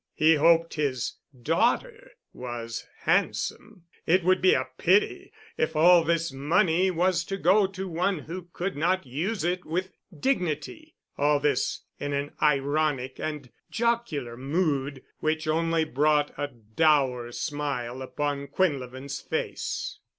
He hoped his "daughter" was handsome. It would be a pity if all this money was to go to one who could not use it with dignity. All this in an ironic and jocular mood which only brought a dour smile upon Quinlevin's face.